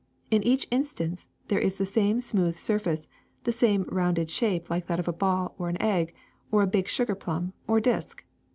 In each instance there is the same smooth surface, the same rounded shape like that of a ball or an egg or a big sugar plum or a disk.